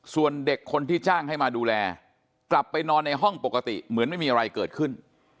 ส่วนเด็กคนที่จ้างให้มาดูแลกลับไปนอนในห้องปกติเหมือนไม่มีอะไรเกิดขึ้น